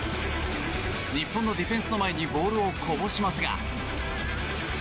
日本のディフェンスの前にボールをこぼしますが。